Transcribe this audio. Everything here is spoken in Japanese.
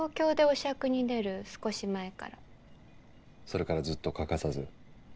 それからずっと欠かさず？